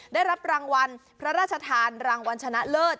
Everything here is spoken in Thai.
ได้รับรางวัลพระราชทานรางวัลชนะเลิศ